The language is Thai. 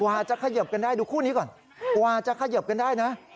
กว่าจะเขยิบกันได้ดูคู่นี้ก่อนกว่าจะเขยิบกันได้นะ